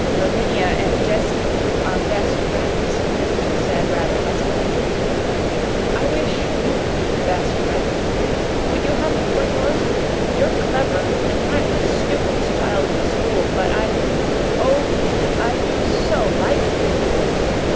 "Lavinia and Jessie are 'best friends,'" she said rather huskily. "I wish we could be 'best friends.' Would you have me for yours? You're clever, and I'm the stupidest child in the school, but I oh, I do so like you!"